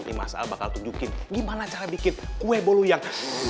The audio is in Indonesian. ini mas al bakal tunjukin gimana cara bikin kue bolu yang